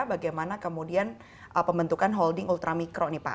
bagaimana kemudian pembentukan holding ultra mikro nih pak